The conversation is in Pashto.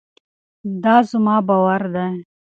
دا زما باور دی.